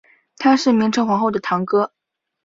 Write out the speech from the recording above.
他是明成皇后的堂哥。